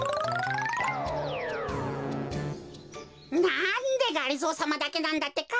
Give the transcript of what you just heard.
なんでがりぞーさまだけなんだってか？